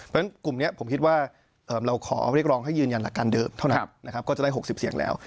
เพราะฉะนั้นกลุ่มนี้ผมคิดว่าเราขอเรียกร้องให้ยืนยันหลักการเดิมเท่านั้นนะครับก็จะได้๖๐เสียงแล้ว